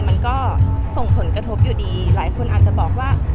มันก็ส่งผลกระทบอยู่ดีหลายคนอาจจะบอกว่า